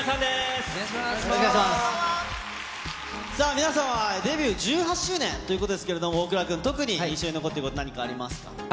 皆さんは、デビュー１８周年ということですけれども、大倉君、特に印象に残っていること何かありますか？